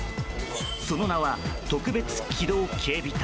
その名は特別機動警備隊。